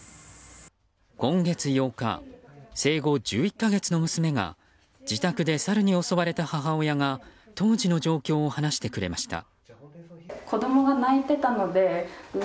今月８日、生後１１か月の娘が自宅でサルに襲われた母親が当時の状況を話してくれました。